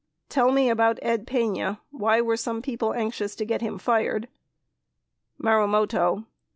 Tell me about Ed Pena, why were some people anxious to get him fired? Marumoto.